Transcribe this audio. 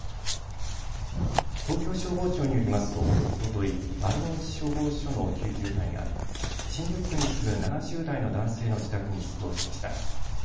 東京消防庁によりますとおととい丸の内消防署の救急隊が新宿区に住む７０代の男性の自宅に出動しました。